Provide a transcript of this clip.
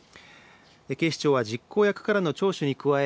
警視庁は実行役からの聴取に加え